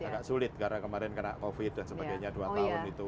agak sulit karena kemarin kena covid dan sebagainya dua tahun itu